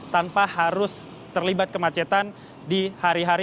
tanpa harus terlibat kemacetan di hari hari